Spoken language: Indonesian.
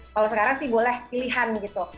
kalau sekarang sih boleh pilihan gitu